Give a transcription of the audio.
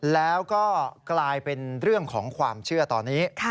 แล้วก็กลายเป็นเรื่องของความเชื่อตอนนี้